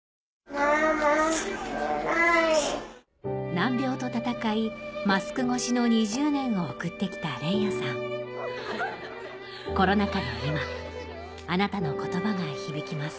難病と闘いマスク越しの２０年を送って来た連也さんコロナ禍の今あなたの言葉が響きます